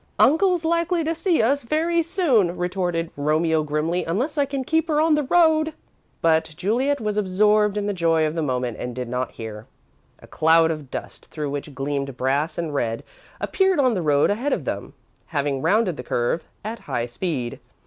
"Uncle's likely to see us very soon," retorted Romeo grimly, "unless I can keep her on the road." But Juliet was absorbed in the joy of the moment and did not hear. A cloud of dust, through which gleamed brass and red, appeared on the road ahead of them, having rounded the curve at high speed.